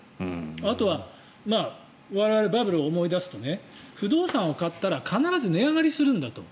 あとは我々バブルを思い出すと不動産を買ったら必ず値上がりするんだと。